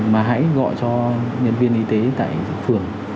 mà hãy gọi cho nhân viên y tế tại phường